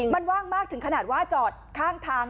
มันว่างมากถึงขนาดว่าจอดข้างทาง